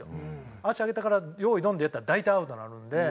足上げたから用意ドンでやったら大体アウトになるんで。